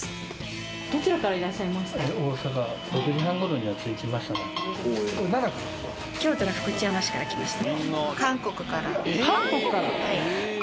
どちらからいらっしゃいました？から来ました。